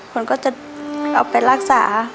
มันก็จะเอาไปรักษา